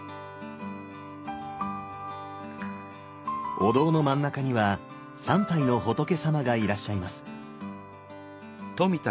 お堂の真ん中には３体の仏さまがいらっしゃいます。